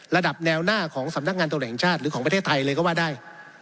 ระดับแนวหน้าของสำนักงานตรวจแห่งชาติหรือของประเทศไทยเลยก็ว่าได้